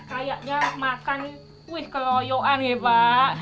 kayaknya makan wih keroyokan ya pak